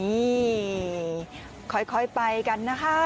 นี่ค่อยไปกันนะคะ